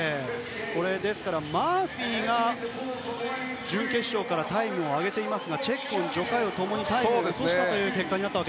マーフィーが準決勝からタイムを上げてますがチェッコン、ジョ・カヨ共にタイムを落としたという結果。